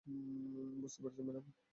বুঝতে পেরেছেন, ম্যাডাম?